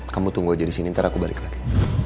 kamu tunggu aja disini nanti aku balik lagi